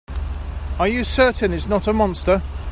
Are you certain it's not a monster?